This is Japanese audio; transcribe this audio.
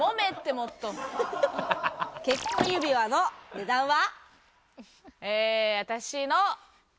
私の結婚指輪の値段は。